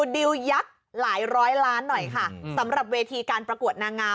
ดิวยักษ์หลายร้อยล้านหน่อยค่ะสำหรับเวทีการประกวดนางงาม